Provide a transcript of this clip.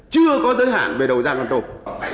chưa có giới hạn về đầu gian con tôm